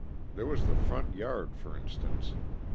There was the front yard, for instance.